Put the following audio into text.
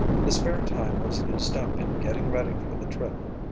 The spare time was used up in getting ready for the trip.